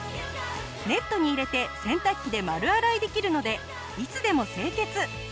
ネットに入れて洗濯機で丸洗いできるのでいつでも清潔。